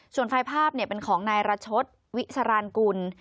ส่วนภายภาพเป็นของนายรัชศวิสรรคุณ